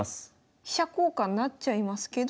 飛車交換なっちゃいますけど。